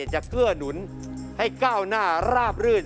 เกื้อหนุนให้ก้าวหน้าราบรื่น